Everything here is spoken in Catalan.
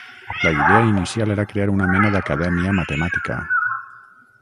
La idea inicial era crear una mena d'acadèmia matemàtica.